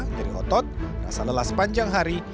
nyeri otot rasa lelah sepanjang hari